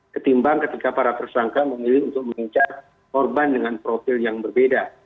ketimbang ketika para tersangka memilih untuk mengincar korban dengan profil yang berbeda